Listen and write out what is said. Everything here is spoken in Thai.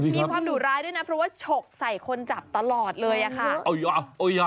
มีความดุร้ายด้วยนะเพราะว่าฉกใส่คนจับตลอดเลยอะค่ะ